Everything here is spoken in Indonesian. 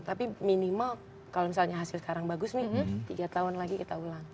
tapi minimal kalau misalnya hasil sekarang bagus nih tiga tahun lagi kita ulang